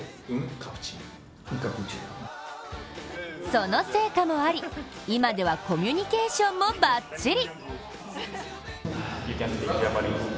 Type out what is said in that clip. その成果もあり、今ではコミュニケーションもばっちり。